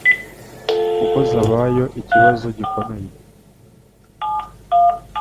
kuko zabaye ikibazo gikomeye.